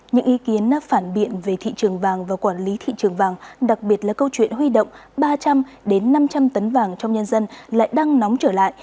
những ý kiến phản biện về thị trường vàng và quản lý thị trường vàng đặc biệt là câu chuyện huy động ba trăm linh năm trăm linh tấn vàng trong nhân dân lại đang nóng trở lại